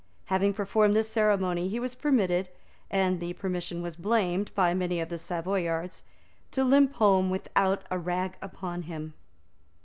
Having performed this ceremony he was permitted, and the permission was blamed by many of the Savoyards, to limp home without a rag upon him.